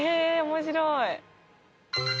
面白い！